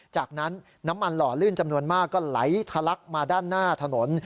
จากนั้นน้ำมันหล่อลื่นจำนวนมากก็ไหลทะลักมาด้านหน้าถนน